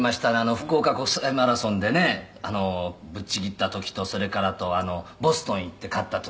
福岡国際マラソンでねぶっちぎった時とそれからあとボストン行って勝った時」